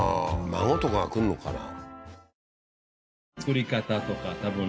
孫とかが来んのかな？